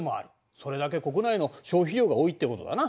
それだけ国内の消費量が多いってことだな。